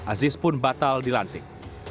aziz pun batal dilantik